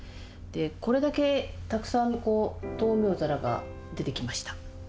これだけたくさん灯明皿が出てきました。